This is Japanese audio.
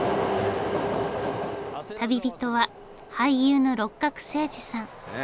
旅人は俳優の六角精児さん。